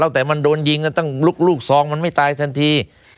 แต่มันโดนยิงตั้งลูกซองมันไม่ตายทันที